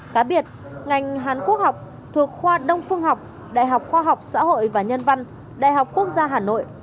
cá biệt ngành hàn quốc học thuộc khoa đông phương học đại học khoa học xã hội và nhân văn đại học quốc gia hà nội